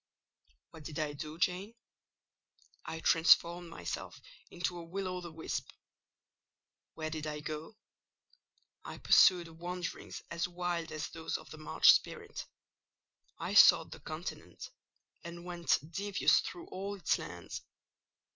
"What did I do, Jane? I transformed myself into a will o' the wisp. Where did I go? I pursued wanderings as wild as those of the March spirit. I sought the Continent, and went devious through all its lands.